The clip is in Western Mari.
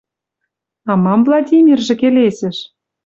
«А мам Владимиржӹ келесӹш?» —